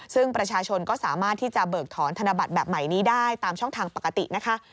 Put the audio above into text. ซึ่งประชาชนก็สามารถที่จะเบิกถอนธนบัตรแบบใหม่นี้ได้ตามช่องทางปกตินะคะ